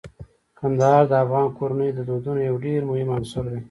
کندهار د افغان کورنیو د دودونو یو ډیر مهم عنصر دی.